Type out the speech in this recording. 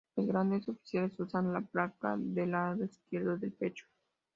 Los Grandes Oficiales usan la placa del lado izquierdo del pecho.